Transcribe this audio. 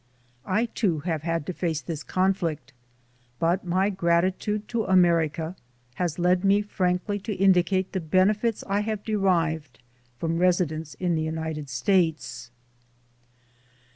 I too have had to face this conflict, but my gratitude to Amer ica has led me frankly to indicate the benefits I have derived from residence in the United States.